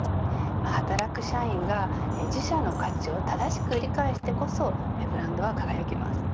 働く社員が自社の価値を正しく理解してこそブランドは輝きます。